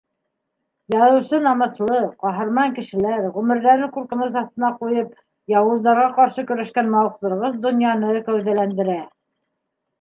Яҙыусы намыҫлы, ҡаһарман кешеләр, ғүмерҙәрен ҡурҡыныс аҫтына ҡуйып, яуыздарға ҡаршы көрәшкән мауыҡтырғыс донъяны кәүҙәләндерә.